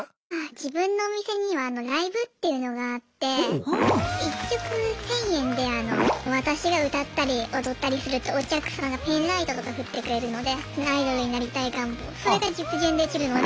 自分のお店にはライブっていうのがあって１曲１０００円で私が歌ったり踊ったりするとお客さんがペンライトとか振ってくれるのでアイドルになりたい願望それが実現できるので。